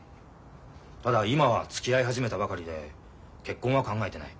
ただ今はつきあい始めたばかりで結婚は考えてない。